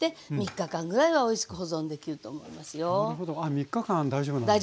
３日間大丈夫なんですね。